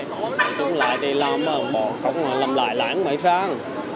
nói chung là làm bỏ không làm lại lãng mấy sáng